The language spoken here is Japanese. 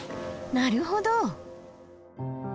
なるほど。